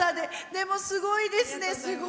でも、すごいですね。